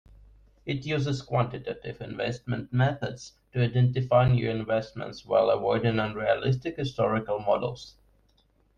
It uses "quantitative" investment methods to identify new investments while avoiding unrealistic historical models.